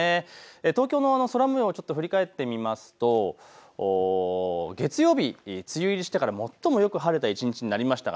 東京の空もようを振り返ってみると月曜日、梅雨入りしてから最もよく晴れた一日になりました。